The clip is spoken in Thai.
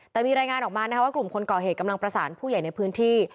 แต่มีรายงานออกมาว่ากลุ่มคนก่อเหตุกำลังประสานผู้ใหญ่ในพื้นที่